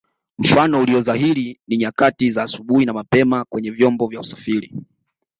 Mfano ulio dhahiri ni nyakati za asubuhi na mapema kwenye vyombo vya usafiri